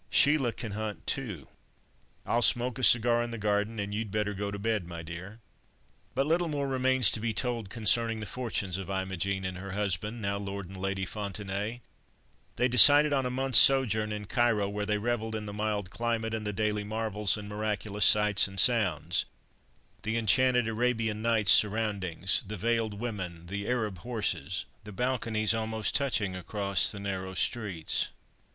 Sheila can hunt too. I'll smoke a cigar in the garden, and you'd better go to bed, my dear." But little more remains to be told concerning the fortunes of Imogen and her husband, now Lord and Lady Fontenaye. They decided on a month's sojourn in Cairo, where they revelled in the mild climate, and the daily marvels and miraculous sights and sounds—the enchanted Arabian Nights' surroundings, the veiled women, the Arab horses, the balconies, almost touching across the narrow streets.